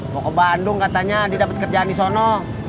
mau ke bandung katanya dia dapet kerjaan di sono